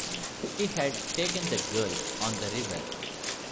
He had taken the girl on the river.